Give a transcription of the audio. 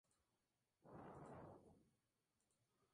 Duriodhana murió lentamente, y fue cremado por los Pándavas.